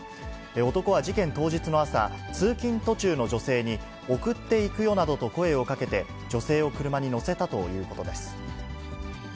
男は事件当日の朝、通勤途中の女性に、送っていくよなどと声をかけて、女性を車に乗せたということです。